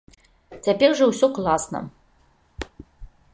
Цяпер жа ўсё класна!